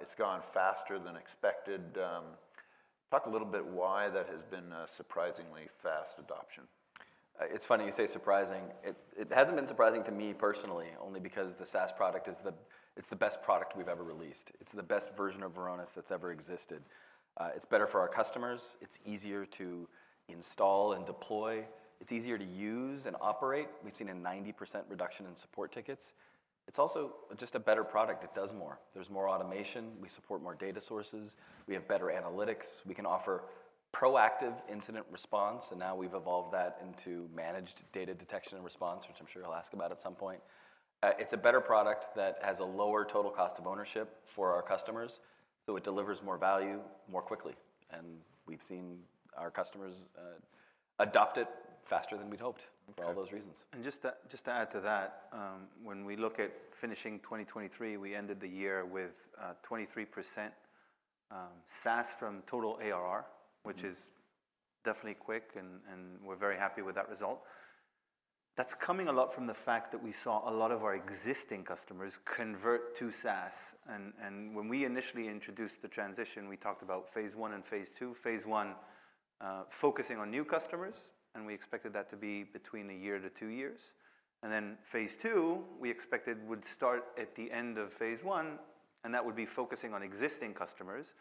It's gone faster than expected. Talk a little bit why that has been, surprisingly fast adoption. It's funny you say surprising. It hasn't been surprising to me personally, only because the SaaS product is the—it's the best product we've ever released. It's the best version of Varonis that's ever existed. It's better for our customers. It's easier to install and deploy. It's easier to use and operate. We've seen a 90% reduction in support tickets. It's also just a better product. It does more. There's more automation. We support more data sources. We have better analytics. We can offer Proactive Incident Response. And now we've evolved that into Managed Data Detection and Response, which I'm sure you'll ask about at some point. It's a better product that has a lower total cost of ownership for our customers. So it delivers more value more quickly. And we've seen our customers adopt it faster than we'd hoped for all those reasons. And just to add to that, when we look at finishing 2023, we ended the year with 23% SaaS from total ARR, which is definitely quick. And we're very happy with that result. That's coming a lot from the fact that we saw a lot of our existing customers convert to SaaS. And when we initially introduced the transition, we talked about phase one and phase two. Phase one, focusing on new customers. And we expected that to be between 1-2 years. And then phase two, we expected would start at the end of phase one. And that would be focusing on existing customers,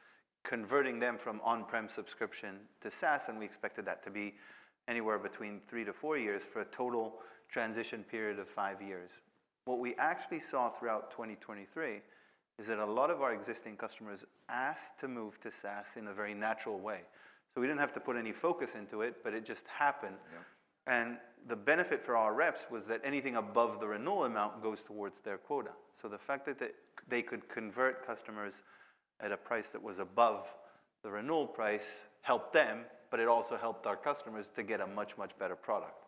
converting them from on-prem subscription to SaaS. And we expected that to be anywhere between 3-4 years for a total transition period of 5 years. What we actually saw throughout 2023 is that a lot of our existing customers asked to move to SaaS in a very natural way. So we didn't have to put any focus into it. But it just happened. Yeah. The benefit for our reps was that anything above the renewal amount goes towards their quota. So the fact that they could convert customers at a price that was above the renewal price helped them. But it also helped our customers to get a much, much better product.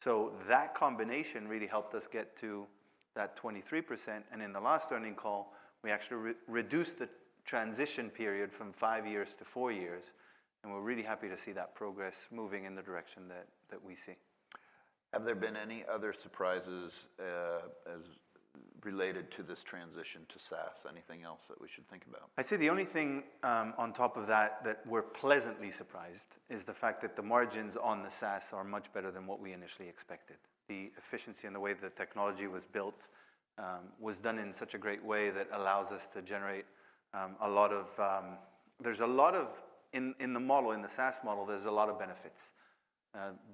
So that combination really helped us get to that 23%. In the last earnings call, we actually reduced the transition period from five years to four years. We're really happy to see that progress moving in the direction that we see. Have there been any other surprises, as related to this transition to SaaS? Anything else that we should think about? I'd say the only thing, on top of that, that we're pleasantly surprised [about] is the fact that the margins on the SaaS are much better than what we initially expected. The efficiency and the way the technology was built was done in such a great way that allows us to generate a lot of. There's a lot of in the model, in the SaaS model, there's a lot of benefits.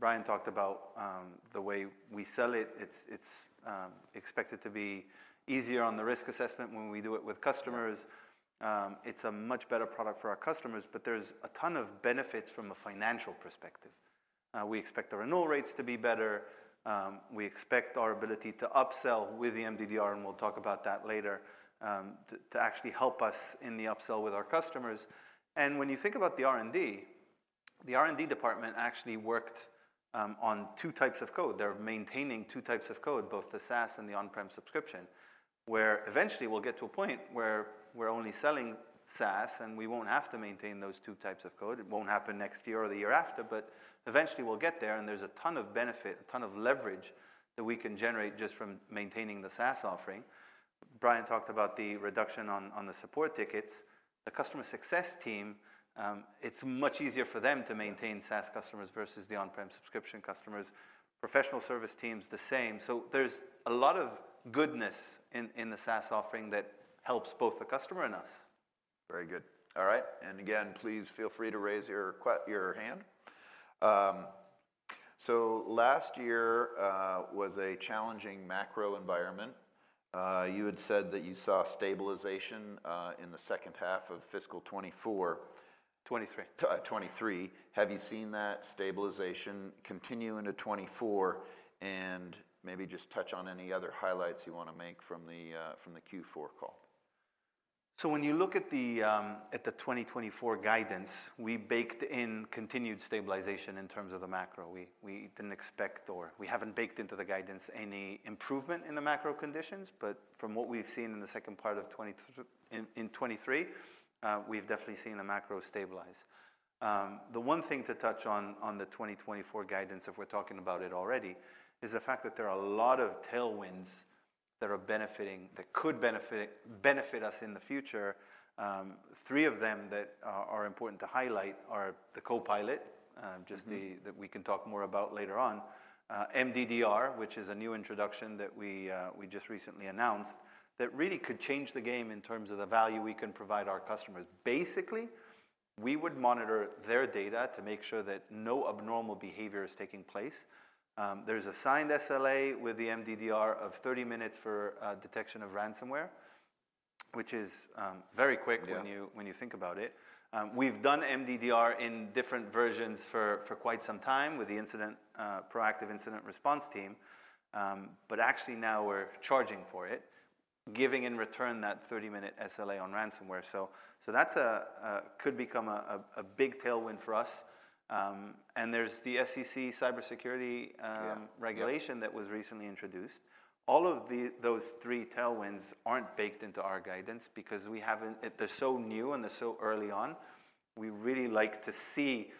Brian talked about the way we sell it. It's expected to be easier on the risk assessment when we do it with customers. It's a much better product for our customers. But there's a ton of benefits from a financial perspective. We expect the renewal rates to be better. We expect our ability to upsell with the MDDR. And we'll talk about that later, to actually help us in the upsell with our customers. When you think about the R&D, the R&D department actually worked on two types of code. They're maintaining two types of code, both the SaaS and the on-prem subscription, where eventually we'll get to a point where we're only selling SaaS. And we won't have to maintain those two types of code. It won't happen next year or the year after. But eventually we'll get there. And there's a ton of benefit, a ton of leverage that we can generate just from maintaining the SaaS offering. Brian talked about the reduction on the support tickets. The customer success team, it's much easier for them to maintain SaaS customers versus the on-prem subscription customers. Professional service teams, the same. So there's a lot of goodness in the SaaS offering that helps both the customer and us. Very good. All right. And again, please feel free to raise your hand. So last year was a challenging macro environment. You had said that you saw stabilization in the second half of fiscal 2024. 2023. 2023. Have you seen that stabilization continue into 2024? And maybe just touch on any other highlights you want to make from the Q4 call. So when you look at the 2024 guidance, we baked in continued stabilization in terms of the macro. We didn't expect or we haven't baked into the guidance any improvement in the macro conditions. But from what we've seen in the second part of 2023, we've definitely seen the macro stabilize. The one thing to touch on, on the 2024 guidance, if we're talking about it already, is the fact that there are a lot of tailwinds that are benefiting that could benefit us in the future. Three of them that are important to highlight are the Copilot, just that we can talk more about later on, MDDR, which is a new introduction that we just recently announced that really could change the game in terms of the value we can provide our customers. Basically, we would monitor their data to make sure that no abnormal behavior is taking place. There's a signed SLA with the MDDR of 30 minutes for detection of ransomware, which is very quick when you think about it. We've done MDDR in different versions for quite some time with the incident Proactive Incident Response team. But actually now we're charging for it, giving in return that 30-minute SLA on ransomware. So that could become a big tailwind for us. And there's the SEC cybersecurity regulation that was recently introduced. All of those three tailwinds aren't baked into our guidance because we haven't; they're so new and they're so early on. We really like to see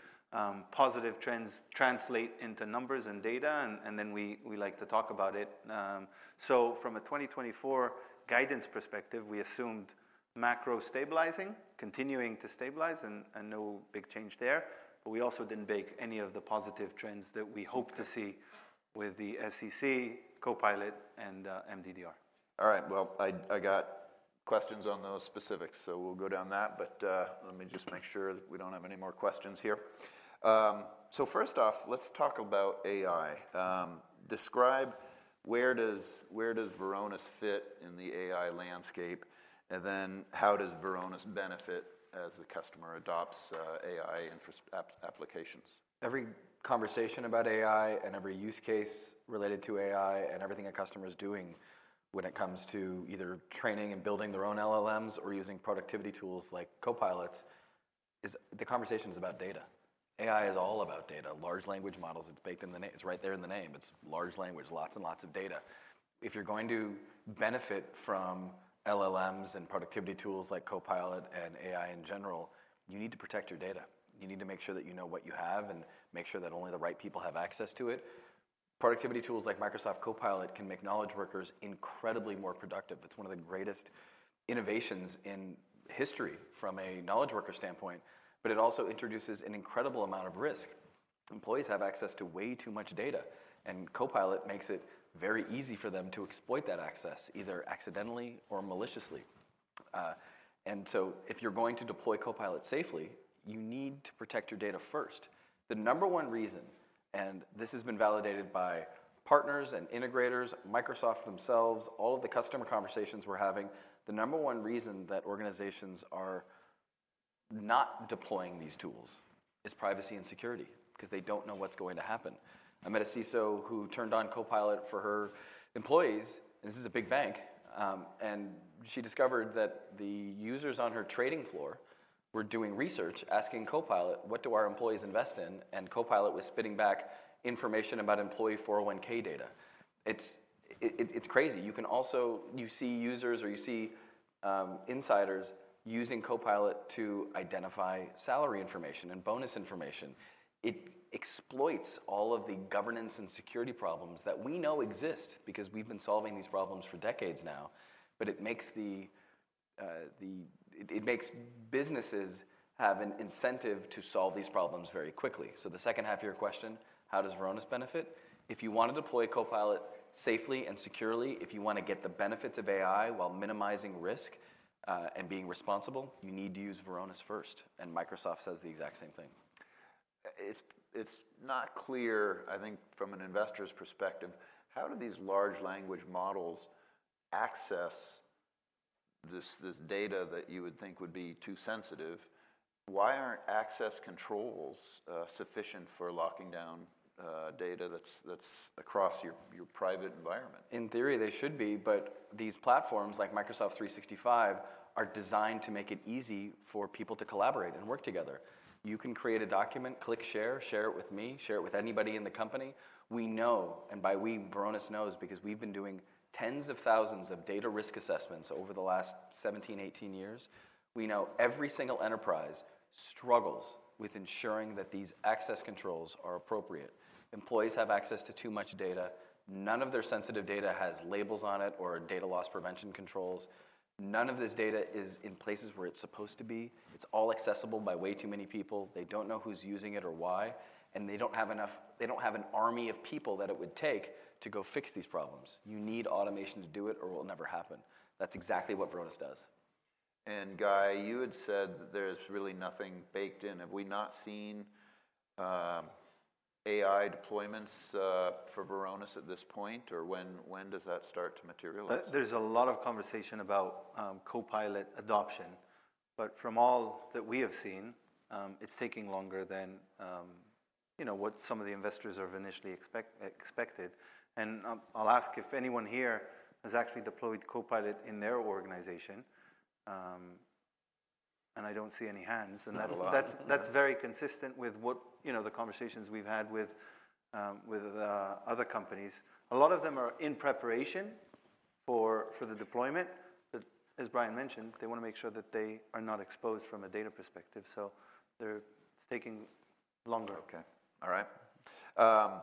positive trends translate into numbers and data. And then we like to talk about it. From a 2024 guidance perspective, we assumed macro stabilizing, continuing to stabilize, and no big change there. We also didn't bake any of the positive trends that we hope to see with the SEC, Copilot, and MDDR. All right. Well, I, I got questions on those specifics. So we'll go down that. But, let me just make sure that we don't have any more questions here. So first off, let's talk about AI. Describe where does where does Varonis fit in the AI landscape? And then how does Varonis benefit as the customer adopts, AI infra applications? Every conversation about AI and every use case related to AI and everything a customer is doing when it comes to either training and building their own LLMs or using productivity tools like Copilot is the conversation about data. AI is all about data. Large language models, it's baked in the name. It's right there in the name. It's large language, lots and lots of data. If you're going to benefit from LLMs and productivity tools like Copilot and AI in general, you need to protect your data. You need to make sure that you know what you have and make sure that only the right people have access to it. Productivity tools like Microsoft Copilot can make knowledge workers incredibly more productive. It's one of the greatest innovations in history from a knowledge worker standpoint. But it also introduces an incredible amount of risk. Employees have access to way too much data. And Copilot makes it very easy for them to exploit that access either accidentally or maliciously. And so if you're going to deploy Copilot safely, you need to protect your data first. The number one reason and this has been validated by partners and integrators, Microsoft themselves, all of the customer conversations we're having, the number one reason that organizations are not deploying these tools is privacy and security because they don't know what's going to happen. I met a CISO who turned on Copilot for her employees. And this is a big bank. And she discovered that the users on her trading floor were doing research, asking Copilot, "What do our employees invest in?" And Copilot was spitting back information about employee 401(k) data. It's it's crazy. You can also see users or insiders using Copilot to identify salary information and bonus information. It exploits all of the governance and security problems that we know exist because we've been solving these problems for decades now. But it makes businesses have an incentive to solve these problems very quickly. So the second half of your question, how does Varonis benefit? If you want to deploy Copilot safely and securely, if you want to get the benefits of AI while minimizing risk, and being responsible, you need to use Varonis first. And Microsoft says the exact same thing. It's not clear, I think, from an investor's perspective, how do these large language models access this data that you would think would be too sensitive? Why aren't access controls sufficient for locking down data that's across your private environment? In theory, they should be. But these platforms like Microsoft 365 are designed to make it easy for people to collaborate and work together. You can create a document, click Share, Share it with me, Share it with anybody in the company. We know, and by "we," Varonis knows, because we've been doing tens of thousands of data risk assessments over the last 17, 18 years. We know every single enterprise struggles with ensuring that these access controls are appropriate. Employees have access to too much data. None of their sensitive data has labels on it or data loss prevention controls. None of this data is in places where it's supposed to be. It's all accessible by way too many people. They don't know who's using it or why. And they don't have an army of people that it would take to go fix these problems. You need automation to do it or it'll never happen. That's exactly what Varonis does. And Guy, you had said that there's really nothing baked in. Have we not seen AI deployments for Varonis at this point? Or when, when does that start to materialize? There's a lot of conversation about Copilot adoption. But from all that we have seen, it's taking longer than, you know, what some of the investors have initially expected. I'll ask if anyone here has actually deployed Copilot in their organization. I don't see any hands. And that's very consistent with what, you know, the conversations we've had with other companies. A lot of them are in preparation for the deployment. But as Brian mentioned, they want to make sure that they are not exposed from a data perspective. So it's taking longer. Okay. All right.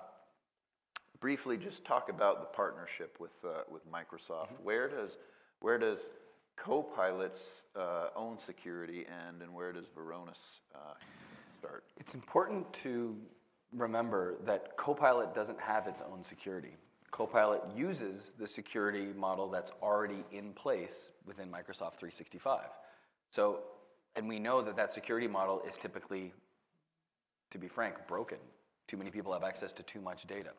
Briefly, just talk about the partnership with, with Microsoft. Where does where does Copilot's own security end? And where does Varonis start? It's important to remember that Copilot doesn't have its own security. Copilot uses the security model that's already in place within Microsoft 365. So and we know that that security model is typically, to be frank, broken. Too many people have access to too much data.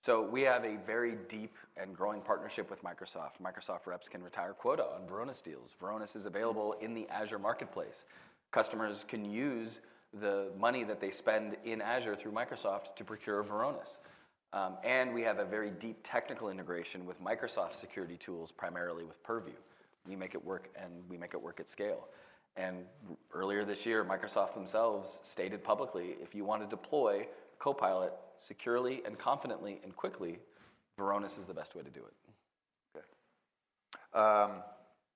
So we have a very deep and growing partnership with Microsoft. Microsoft reps can retire quota on Varonis deals. Varonis is available in the Azure Marketplace. Customers can use the money that they spend in Azure through Microsoft to procure Varonis. And we have a very deep technical integration with Microsoft security tools, primarily with Purview. We make it work and we make it work at scale. And earlier this year, Microsoft themselves stated publicly, if you want to deploy Copilot securely and confidently and quickly, Varonis is the best way to do it. Okay.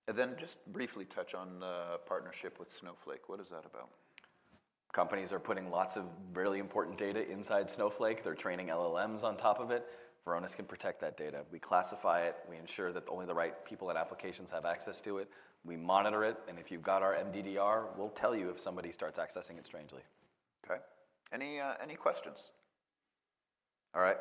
And then just briefly touch on partnership with Snowflake. What is that about? Companies are putting lots of really important data inside Snowflake. They're training LLMs on top of it. Varonis can protect that data. We classify it. We ensure that only the right people and applications have access to it. We monitor it. And if you've got our MDDR, we'll tell you if somebody starts accessing it strangely. Okay. Any questions? All right.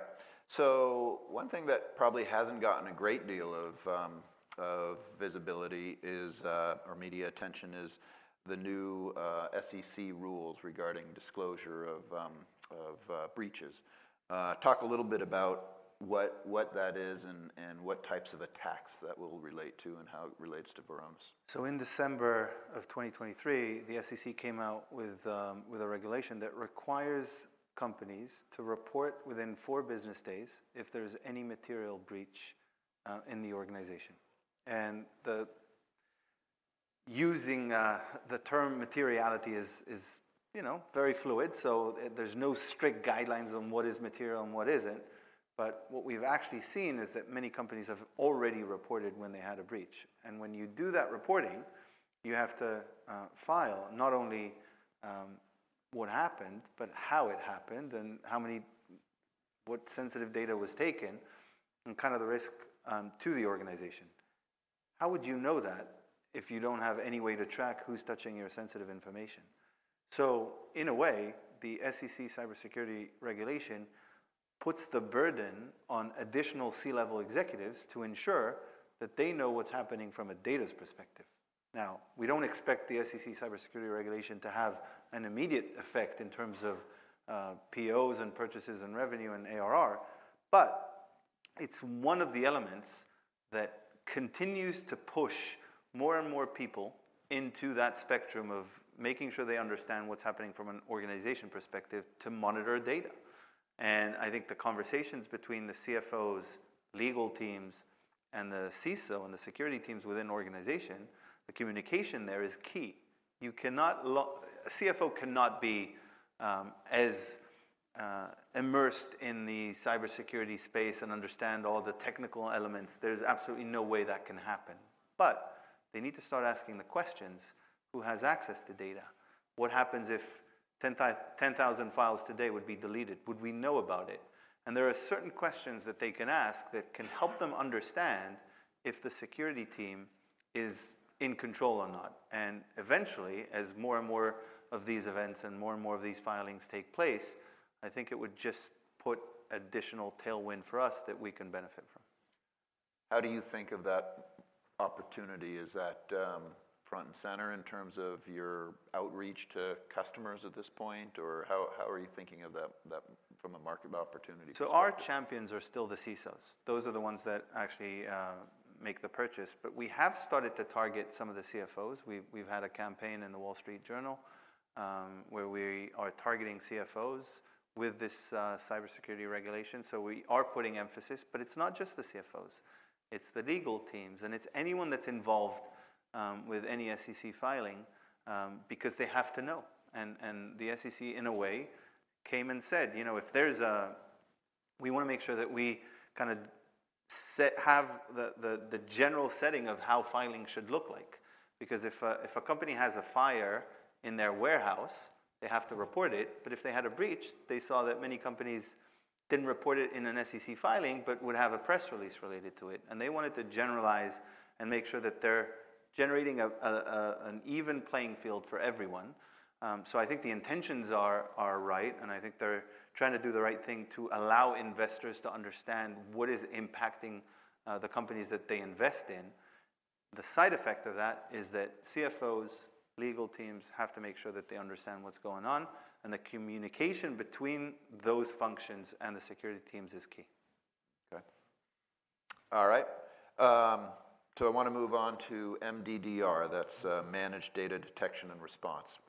So one thing that probably hasn't gotten a great deal of visibility is, or media attention is the new SEC rules regarding disclosure of breaches. Talk a little bit about what that is and what types of attacks that will relate to and how it relates to Varonis. So in December of 2023, the SEC came out with a regulation that requires companies to report within four business days if there's any material breach in the organization. And using the term materiality is, you know, very fluid. So there's no strict guidelines on what is material and what isn't. But what we've actually seen is that many companies have already reported when they had a breach. And when you do that reporting, you have to file not only what happened but how it happened and what sensitive data was taken and kind of the risk to the organization. How would you know that if you don't have any way to track who's touching your sensitive information? So in a way, the SEC cybersecurity regulation puts the burden on additional C-level executives to ensure that they know what's happening from a data's perspective. Now, we don't expect the SEC cybersecurity regulation to have an immediate effect in terms of POs and purchases and revenue and ARR. But it's one of the elements that continues to push more and more people into that spectrum of making sure they understand what's happening from an organization perspective to monitor data. And I think the conversations between the CFOs, legal teams, and the CISO and the security teams within the organization, the communication there is key. You cannot, a CFO cannot be as immersed in the cybersecurity space and understand all the technical elements. There's absolutely no way that can happen. But they need to start asking the questions, who has access to data? What happens if 10,000 files today would be deleted? Would we know about it? There are certain questions that they can ask that can help them understand if the security team is in control or not. Eventually, as more and more of these events and more and more of these filings take place, I think it would just put additional tailwind for us that we can benefit from. How do you think of that opportunity? Is that, front and center in terms of your outreach to customers at this point? Or how, how are you thinking of that, that from a market opportunity perspective? So our champions are still the CISOs. Those are the ones that actually make the purchase. But we have started to target some of the CFOs. We've had a campaign in the Wall Street Journal, where we are targeting CFOs with this cybersecurity regulation. So we are putting emphasis. But it's not just the CFOs. It's the legal teams. And it's anyone that's involved with any SEC filing, because they have to know. And the SEC, in a way, came and said, you know, if there's a, we want to make sure that we kind of set the general setting of how filing should look like. Because if a company has a fire in their warehouse, they have to report it. But if they had a breach, they saw that many companies didn't report it in an SEC filing but would have a press release related to it. And they wanted to generalize and make sure that they're generating an even playing field for everyone. So I think the intentions are right. And I think they're trying to do the right thing to allow investors to understand what is impacting the companies that they invest in. The side effect of that is that CFOs, legal teams have to make sure that they understand what's going on. And the communication between those functions and the security teams is key. Okay. All right. I want to move on to MDDR. That's Managed Data Detection and Response.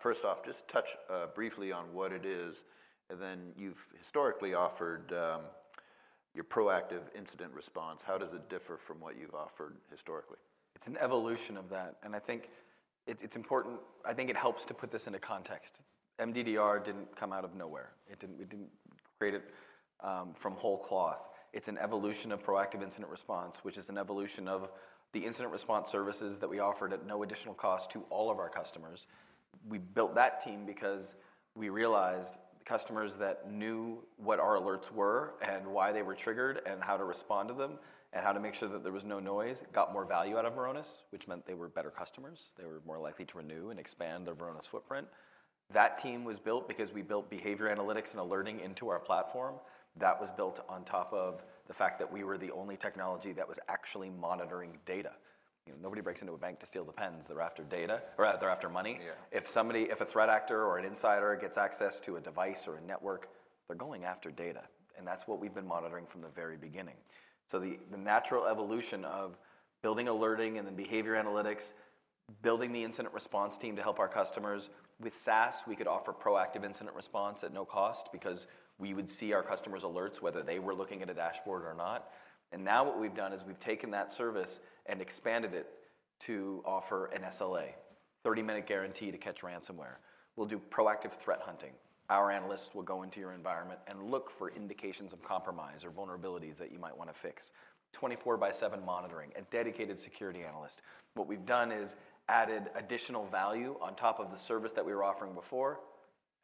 First off, just touch briefly on what it is. And then you've historically offered your Proactive Incident Response. How does it differ from what you've offered historically? It's an evolution of that. I think it's important. I think it helps to put this into context. MDDR didn't come out of nowhere. We didn't create it from whole cloth. It's an evolution of Proactive Incident Response, which is an evolution of the incident response services that we offered at no additional cost to all of our customers. We built that team because we realized customers that knew what our alerts were and why they were triggered and how to respond to them and how to make sure that there was no noise got more value out of Varonis, which meant they were better customers. They were more likely to renew and expand their Varonis footprint. That team was built because we built behavior analytics and alerting into our platform. That was built on top of the fact that we were the only technology that was actually monitoring data. You know, nobody breaks into a bank to steal the pens. They're after data or they're after money. If somebody if a threat actor or an insider gets access to a device or a network, they're going after data. And that's what we've been monitoring from the very beginning. So the natural evolution of building alerting and then behavior analytics, building the incident response team to help our customers. With SaaS, we could offer proactive Incident Response at no cost because we would see our customers' alerts, whether they were looking at a dashboard or not. And now what we've done is we've taken that service and expanded it to offer an SLA, 30-minute guarantee to catch ransomware. We'll do proactive threat hunting. Our analysts will go into your environment and look for indications of compromise or vulnerabilities that you might want to fix, 24/7 monitoring, a dedicated security analyst. What we've done is added additional value on top of the service that we were offering before.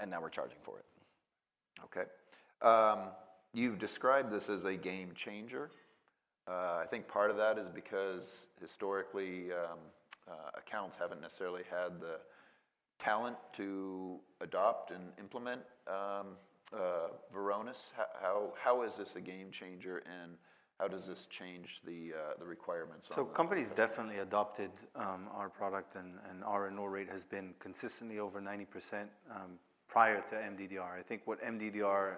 Now we're charging for it. Okay. You've described this as a game changer. I think part of that is because historically, accounts haven't necessarily had the talent to adopt and implement Varonis. How, how is this a game changer? And how does this change the, the requirements on that? So companies definitely adopted our product. And, and our renewal rate has been consistently over 90%, prior to MDDR. I think what MDDR,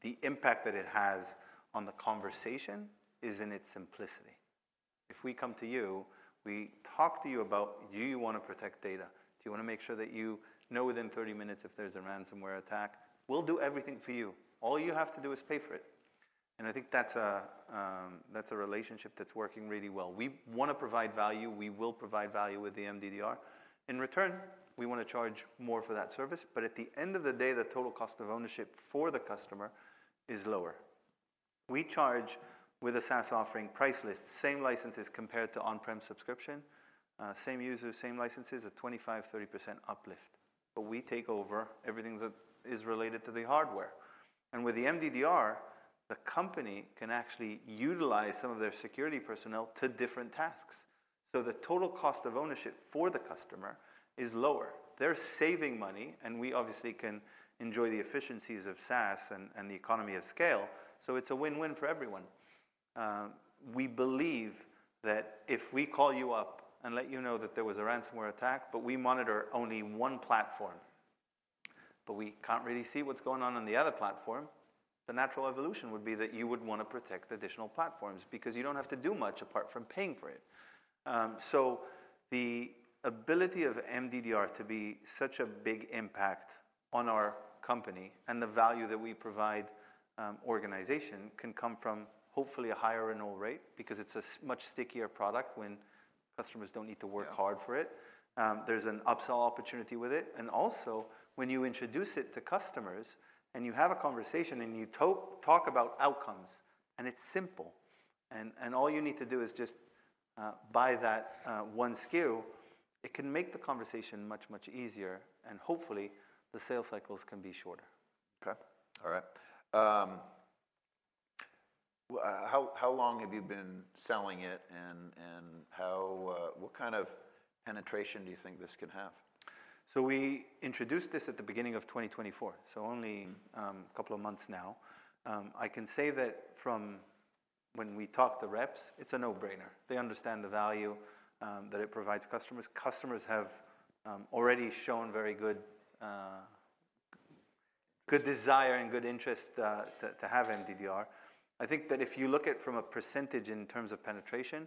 the impact that it has on the conversation is in its simplicity. If we come to you, we talk to you about, do you want to protect data? Do you want to make sure that you know within 30 minutes if there's a ransomware attack? We'll do everything for you. All you have to do is pay for it. And I think that's a, that's a relationship that's working really well. We want to provide value. We will provide value with the MDDR. In return, we want to charge more for that service. But at the end of the day, the total cost of ownership for the customer is lower. We charge with a SaaS offering, price list, same licenses compared to on-prem subscription, same users, same licenses, a 25%-30% uplift. But we take over everything that is related to the hardware. And with the MDDR, the company can actually utilize some of their security personnel to different tasks. So the total cost of ownership for the customer is lower. They're saving money. And we obviously can enjoy the efficiencies of SaaS and, and the economy of scale. So it's a win-win for everyone. We believe that if we call you up and let you know that there was a ransomware attack, but we monitor only one platform, but we can't really see what's going on on the other platform, the natural evolution would be that you would want to protect additional platforms because you don't have to do much apart from paying for it. The ability of MDDR to be such a big impact on our company and the value that we provide, organization can come from hopefully a higher enroll rate because it's a much stickier product when customers don't need to work hard for it. There's an upsell opportunity with it. Also, when you introduce it to customers and you have a conversation and you talk about outcomes and it's simple and all you need to do is just buy that one SKU, it can make the conversation much, much easier. Hopefully, the sales cycles can be shorter. Okay. All right. How long have you been selling it? And how, what kind of penetration do you think this can have? So we introduced this at the beginning of 2024. Only a couple of months now. I can say that from when we talk to reps, it's a no-brainer. They understand the value that it provides customers. Customers have already shown very good, good desire and good interest to have MDDR. I think that if you look at from a percentage in terms of penetration,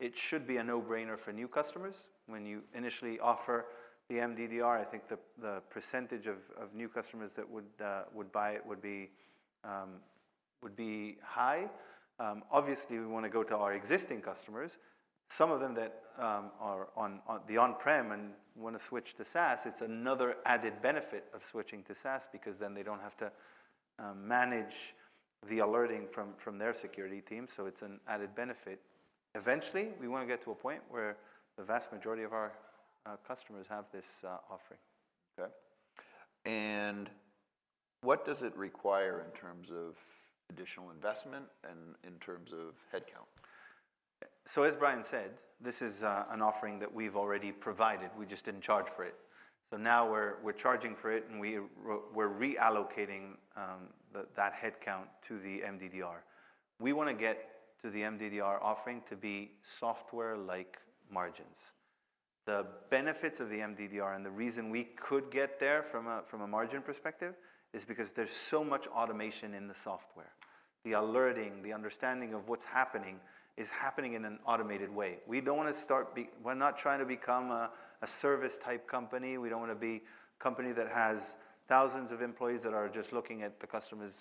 it should be a no-brainer for new customers. When you initially offer the MDDR, I think the percentage of new customers that would buy it would be high. Obviously, we want to go to our existing customers. Some of them that are on on-prem and want to switch to SaaS, it's another added benefit of switching to SaaS because then they don't have to manage the alerting from their security team. So it's an added benefit. Eventually, we want to get to a point where the vast majority of our customers have this offering. Okay. And what does it require in terms of additional investment and in terms of headcount? So as Brian said, this is an offering that we've already provided. We just didn't charge for it. So now we're charging for it. And we're reallocating that headcount to the MDDR. We want to get to the MDDR offering to be software-like margins. The benefits of the MDDR and the reason we could get there from a margin perspective is because there's so much automation in the software. The alerting, the understanding of what's happening is happening in an automated way. We're not trying to become a service-type company. We don't want to be a company that has thousands of employees that are just looking at the customer's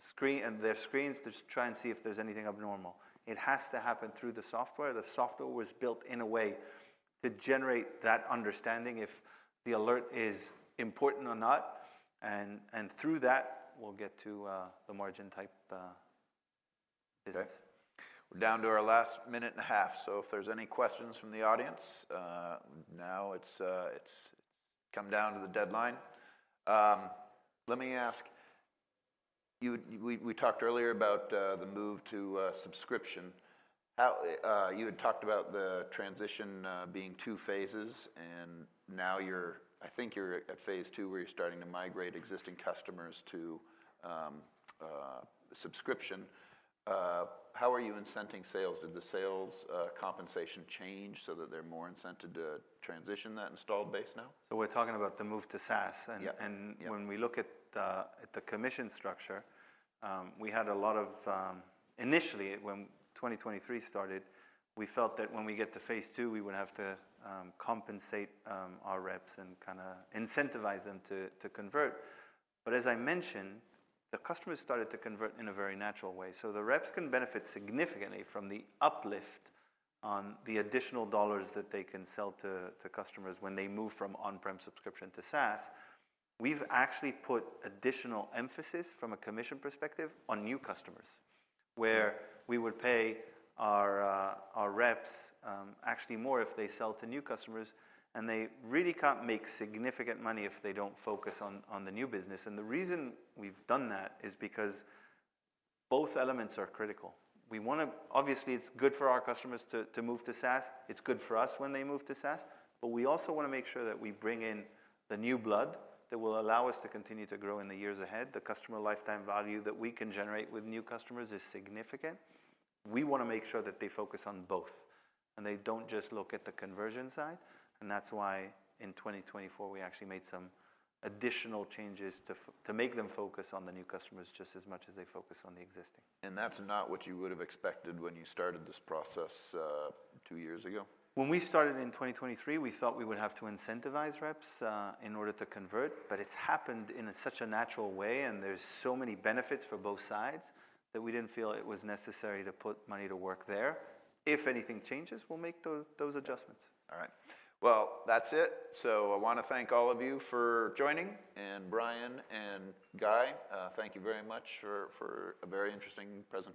screen and their screens to try and see if there's anything abnormal. It has to happen through the software. The software was built in a way to generate that understanding if the alert is important or not. And through that, we'll get to the margin-type business. Okay. We're down to our last minute and a half. So if there's any questions from the audience, now it's come down to the deadline. Let me ask you, we talked earlier about the move to subscription. How you had talked about the transition being two phases. And now you're, I think you're, at phase two where you're starting to migrate existing customers to subscription. How are you incenting sales? Did the sales compensation change so that they're more incented to transition that installed base now? So we're talking about the move to SaaS. And when we look at the commission structure, initially, when 2023 started, we felt that when we get to phase two, we would have to compensate our reps and kind of incentivize them to convert. But as I mentioned, the customers started to convert in a very natural way. So the reps can benefit significantly from the uplift on the additional dollars that they can sell to customers when they move from on-prem subscription to SaaS. We've actually put additional emphasis from a commission perspective on new customers where we would pay our reps actually more if they sell to new customers. And they really can't make significant money if they don't focus on the new business. And the reason we've done that is because both elements are critical. We want to obviously, it's good for our customers to move to SaaS. It's good for us when they move to SaaS. But we also want to make sure that we bring in the new blood that will allow us to continue to grow in the years ahead. The customer lifetime value that we can generate with new customers is significant. We want to make sure that they focus on both and they don't just look at the conversion side. And that's why in 2024, we actually made some additional changes to make them focus on the new customers just as much as they focus on the existing. That's not what you would have expected when you started this process, two years ago? When we started in 2023, we thought we would have to incentivize reps, in order to convert. But it's happened in such a natural way. And there's so many benefits for both sides that we didn't feel it was necessary to put money to work there. If anything changes, we'll make those adjustments. All right. Well, that's it. So I want to thank all of you for joining. And Brian and Guy, thank you very much for a very interesting presentation.